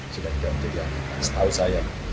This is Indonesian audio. sudah diantik ya setahu saya